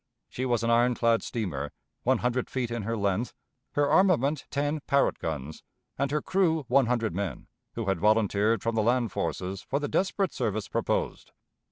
She was an iron clad steamer, one hundred feet in her length, her armament ten Parrott guns, and her crew one hundred men, who had volunteered from the land forces for the desperate service proposed.